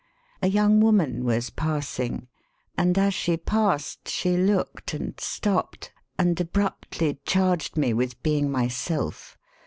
A young woman was pass ing, and, as she passed, she looked and stopped, and abruptly charged me with being myself.